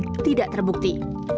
ini tidak terbukti